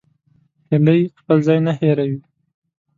هیلۍ خپل ځای نه هېروي